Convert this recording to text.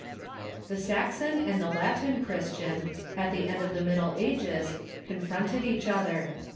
The Saxon and the Latin Christian, at the end of the Mid dle Ages, confronted each other.